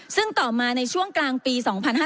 ซึ่งต่อมาในช่วงกลางปี๒๕๕๙